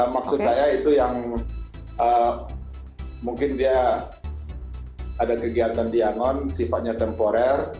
maksud saya itu yang mungkin dia ada kegiatan yangon sifatnya temporer